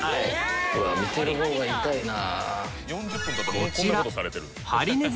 見てる方が痛いな。